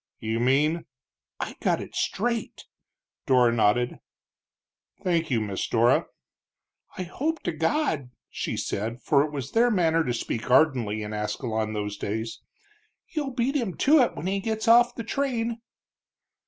"You mean ?" "I got it straight," Dora nodded. "Thank you, Miss Dora." "I hope to God," she said, for it was their manner to speak ardently in Ascalon in those days, "you'll beat him to it when he gets off of the train!"